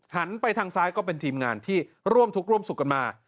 หันไปทางซ้ายก็เป็นทีมงานที่ร่วมทุกข์ร่วมสุขกันมา